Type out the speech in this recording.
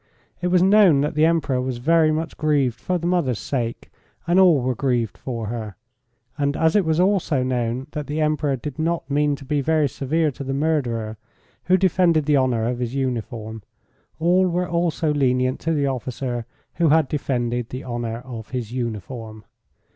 It was known that the Emperor was very much grieved for the mother's sake, and all were grieved for her, and as it was also known that the Emperor did not mean to be very severe to the murderer, who defended the honour of his uniform, all were also lenient to the officer who had defended the honour of his uniform.